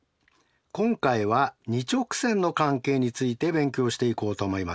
今回は２直線の関係について勉強していこうと思います。